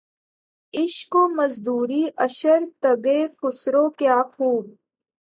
عشق و مزدوریِ عشر تگہِ خسرو‘ کیا خوب!